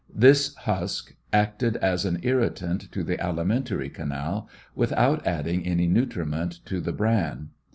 This husk acted as an irritant to the alimentary canal, without adding any nutriment to the brian.